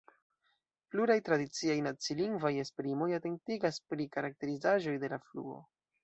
Pluraj tradiciaj nacilingvaj esprimoj atentigas pri karakterizaĵoj de la fluo.